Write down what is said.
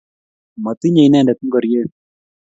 matinye inendet ngorie